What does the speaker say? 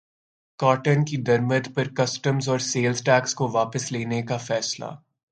cotton کی درمد پر کسٹمز اور سیلز ٹیکس کو واپس لینے کا فیصلہ